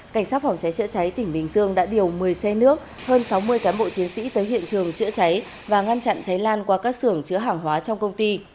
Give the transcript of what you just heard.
cảnh sát phòng cháy chữa cháy tỉnh bình dương đã điều một mươi xe nước hơn sáu mươi cán bộ chiến sĩ tới hiện trường chữa cháy và ngăn chặn cháy lan qua các xưởng chữa hàng hóa trong công ty